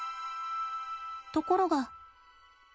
ところが。